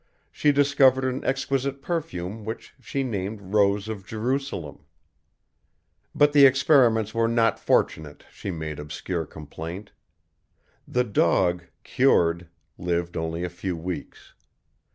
She discovered an exquisite perfume which she named Rose of Jerusalem. But the experiments were not fortunate, she made obscure complaint. The dog, cured, lived only a few weeks.